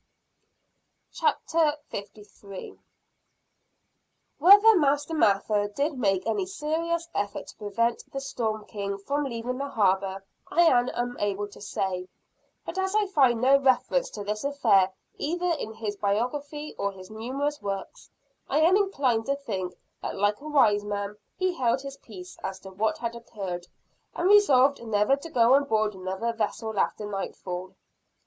CHAPTER LIII. The Wedding Trip and Where Then. Whether Master Mather did make any serious effort to prevent the "Storm King" from leaving the harbor, I am unable to say; but as I find no reference to this affair either in his biography or his numerous works, I am inclined to think that like a wise man, he held his peace as to what had occurred, and resolved never to go on board another vessel after nightfall.